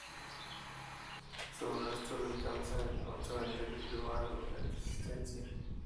Sus restos descansan en un cementerio privado en Resistencia.